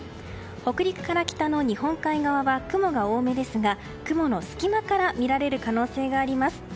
北陸から北の日本海側は雲が多めですが雲の隙間から見られる可能性があります。